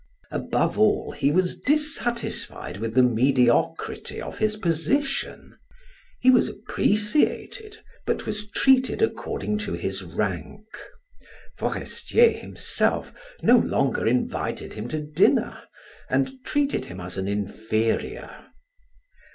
Above all he was dissatisfied with the mediocrity of his position; he was appreciated, but was treated according to his rank. Forestier himself no longer invited him to dinner, and treated him as an inferior.